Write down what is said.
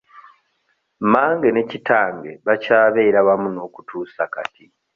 Mange ne kitange bakyabeera wamu n'okutuusa kati.